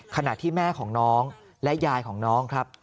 ขณะที่แม่ของน้องและยายของน้องครับ